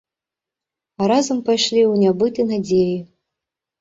А разам пайшлі ў нябыт і надзеі.